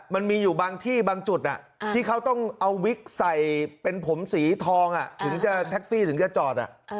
มันมีอยู่บางที่บางจุดที่เขาต้องเอาวิกใส่เป็นผมสีทองถึงจะแท็กซี่ถึงจะจอด